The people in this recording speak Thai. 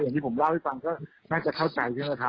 อย่างที่ผมเล่าให้ฟังก็น่าจะเข้าใจเยอะครับ